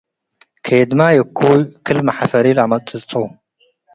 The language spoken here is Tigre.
ኬድማይ እኩይ ክል-መሐፈሪ ለአመጽጹ።